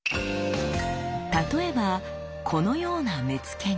例えばこのような目付が！